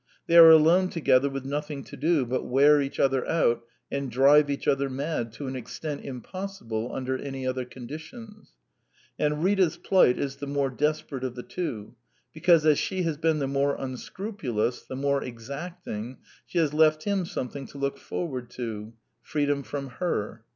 They are alone together with nothing to do but wear each other out and drive each other mad to an extent impossible under any other conditions. And Rita's plight is the more desperate of the two, because as she has been the more unscrupu lous, the more exacting, she has left him some thing to look forward to: freedom from her.